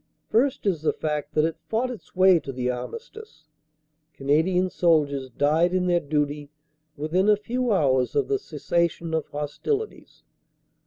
First is the fact that it fought its way to the Armistice. Canadian soldiers died in their duty within a few hours of the cessation of hostilities.